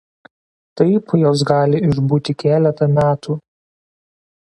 Taip jos gali išbūti keletą metų.